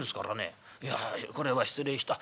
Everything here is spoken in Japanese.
「いやこれは失礼した。